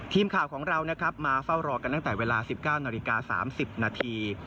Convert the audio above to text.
ทีมข่าวของเรานะครับมาเฝ้ารอกันตั้งแต่เวลา๑๙นาฬิกา๓๐นาที